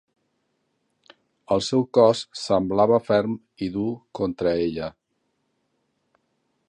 El seu cos semblava ferm i dur contra ella.